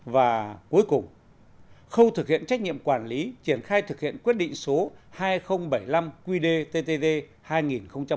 và cuối cùng khâu thực hiện trách nhiệm quản lý triển khai thực hiện quyết định số hai nghìn bảy mươi năm qdttd hai nghìn một mươi